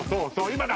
今だ！